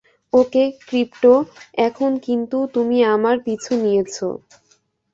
ওকে, crypto, এখন কিন্তু তুমি আমার পিছু নিয়েছ।